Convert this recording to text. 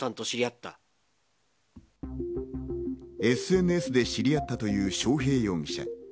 ＳＮＳで知り合ったという章平容疑者。